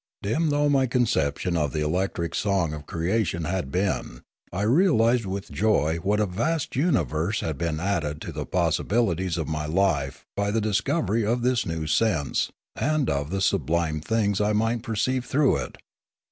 Dim though my conception of the electric song of creation had been, I realised with joy what a vast universe had been added to the possibilities of my life by the discovery of this new sense and of the sublime things I might perceive through it.